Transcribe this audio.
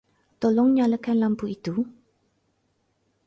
Tolong nyalakan lampu itu.